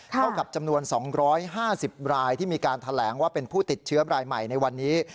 กับจำนวน๒๕๐รายที่มีการแถลงว่าเป็นผู้ติดเชื้อรายใหม่ในวันนี้